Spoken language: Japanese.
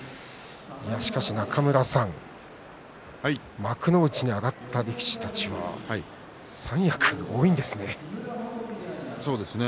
しかし、中村さん幕内に上がった力士たちはそうですね。